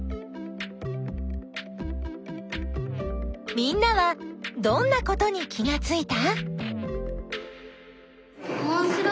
みんなはどんなことに気がついた？